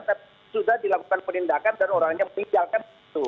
tapi sudah dilakukan penindakan dan orangnya meninggalkan itu